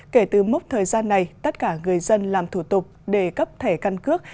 kể từ mốc thời gian này tất cả người dân làm thủ tục để cấp thẻ căn cước